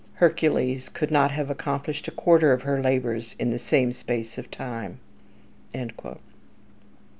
Hercules could not have accomplished a quarter of her labours in the same space of time."